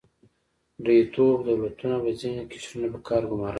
مرئیتوب دولتونو به ځینې قشرونه په کار ګمارل.